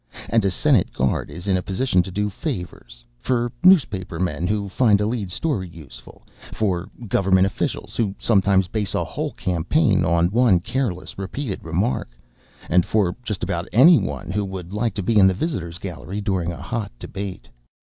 And a Senate guard is in a position to do favors for newspapermen, who find a lead to a story useful; for government officials, who sometimes base a whole campaign on one careless, repeated remark; and for just about anyone who would like to be in the visitors' gallery during a hot debate.